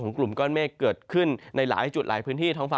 ทั้งฟ้าเพื่อกลุ่มฝนตลอด